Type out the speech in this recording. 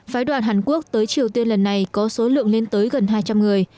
phái đoàn hàn quốc tới triều tiên lần này có số lượng lên tới gần hai trăm linh người